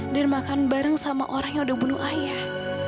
dan makan bareng sama orang yang udah bunuh ayah